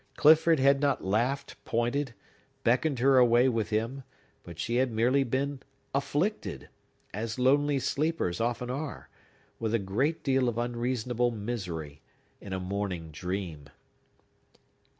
Clifford had not laughed, pointed, beckoned her away with him; but she had merely been afflicted—as lonely sleepers often are—with a great deal of unreasonable misery, in a morning dream!